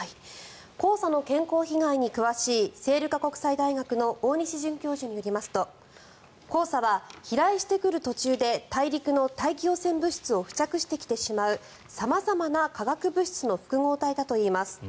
黄砂の健康被害に詳しい聖路加国際大学の大西准教授によりますと黄砂は飛来してくる途中で大陸の大気汚染物質を付着してきてしまう様々な化学物質の複合体だといいます。